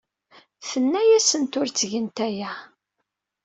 Tenna-asent ur ttgent aya.